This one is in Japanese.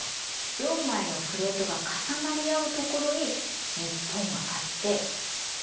４枚のプレートが重なり合う所に日本があって。